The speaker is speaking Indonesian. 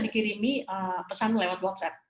dikirimi pesan lewat whatsapp